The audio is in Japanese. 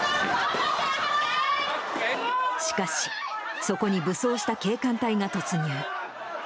しかし、そこに武装した警官隊が突入。